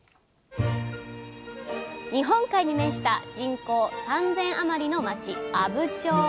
日本海に面した人口３，０００余りの町阿武町。